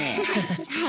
はい。